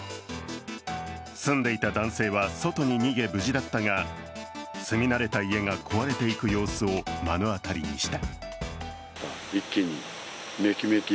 住んでいた男性は外に逃げ無事だったが、住み慣れた家が壊れていく様子を目の当たりにした。